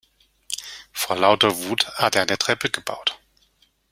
Vor lauter Wut hat er eine Treppe gebaut.